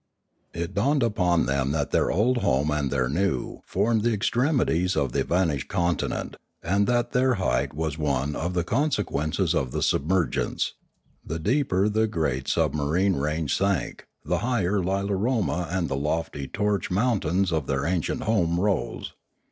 It dawned upon them that their old home and their new formed the extremities of the vanished continent, and that their height was one of the consequences of the submergence ; the deeper the great submarine range sank, the higher Lilaroma and the lofty torch mount ains of their ancient home rose.